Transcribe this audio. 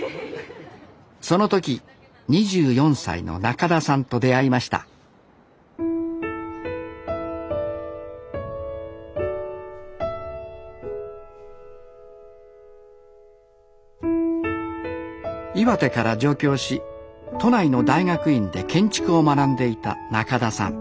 その時２４歳のなかださんと出会いました岩手から上京し都内の大学院で建築を学んでいたなかださん。